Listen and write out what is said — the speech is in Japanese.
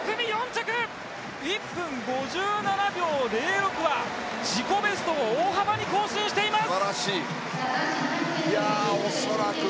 １分５７秒０６は、自己ベストを大幅に更新しています。